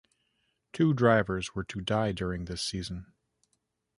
Two drivers were to die during this season.